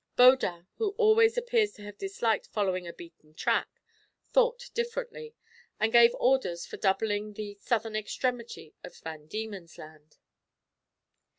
Baudin, who always appears to have disliked following a beaten track, thought differently, and gave orders for doubling the southern extremity of Van Diemen's Land.